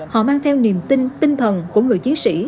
họ mang theo niềm tin tinh thần của người chiến sĩ